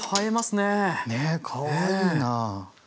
ねっかわいいな。